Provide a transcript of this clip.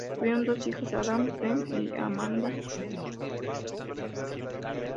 Tuvieron dos hijos, Adam Green y Amanda Green, ambos dedicados a la composición.